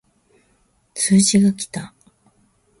通知が来た